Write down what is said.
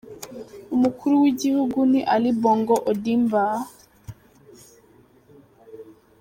Umukuru w’igihugu ni Ali Bongo Ondimba.